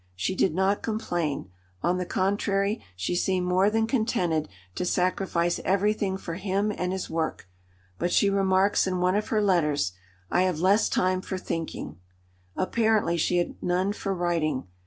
She did not complain; on the contrary, she seemed more than contented to sacrifice everything for him and his work; but she remarks in one of her letters, "I have less time for thinking." Apparently she had none for writing.